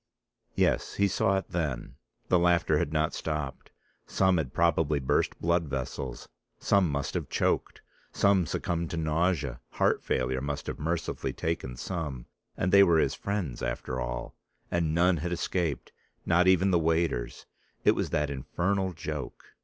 Yes, he saw it then: the laughter had not stopped, some had probably burst blood vessels, some must have choked, some succumbed to nausea, heart failure must have mercifully taken some, and they were his friends after all, and none had escaped, not I even the waiters. It was that infernal joke.